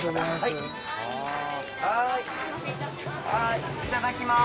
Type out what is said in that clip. いただきます。